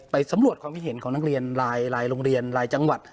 สำรวจความคิดเห็นของนักเรียนรายโรงเรียนรายจังหวัด